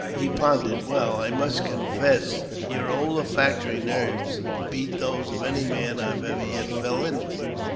he pondered; "well, I must confess, your olfactory nerves beat those of any man I ever yet fell in with.